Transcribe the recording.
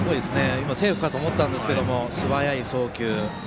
今、セーフかと思ったんですが素早い送球。